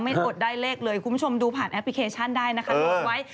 ไม่ตรงได้เลขเลยคุณผู้ชมดูผ่านแอปพลิเคชันได้นะครับ